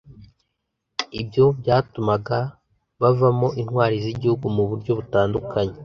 Ibyo byatumaga bavamo intwari z’Igihugu mu buryo butandukanye